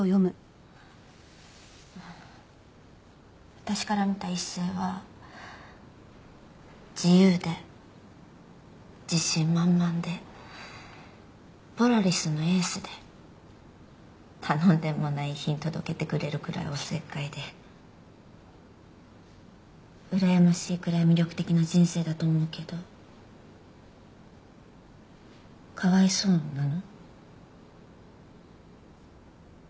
私から見た一星は自由で自信満々でポラリスのエースで頼んでもない遺品届けてくれるくらいお節介でうらやましいくらい魅力的な人生だと思うけどかわいそうなの？